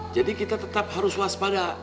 jadi kita tetap harus waspada